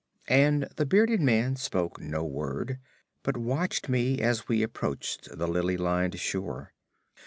And the bearded man spoke no word, but watched me as we approached the lily lined shore.